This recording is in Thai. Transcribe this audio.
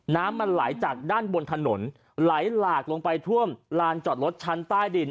น้ำมันไหลจากด้านบนถนนไหลหลากลงไปท่วมลานจอดรถชั้นใต้ดิน